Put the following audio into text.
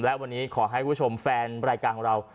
และวันนี้ขอให้คุณผู้ชมแฟนรายการของเรา